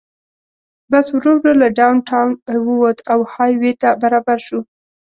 بس ورو ورو له ډاون ټاون ووت او های وې ته برابر شو.